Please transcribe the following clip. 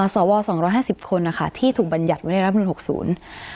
สว๒๕๐คนนะคะที่ถูกบรรยัดไว้ในรัฐพนุน๖๐